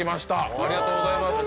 ありがとうございます。